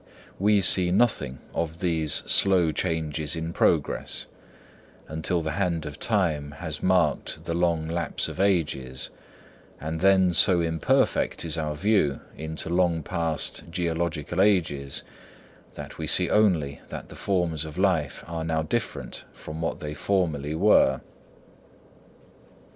We see nothing of these slow changes in progress, until the hand of time has marked the long lapse of ages, and then so imperfect is our view into long past geological ages that we see only that the forms of life are now different from what they formerly were.